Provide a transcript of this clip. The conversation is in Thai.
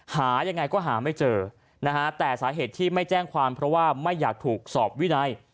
หายังไงก็หาไม่เจอนะฮะแต่สาเหตุที่ไม่แจ้งความเพราะว่าไม่อยากถูกสอบวินัย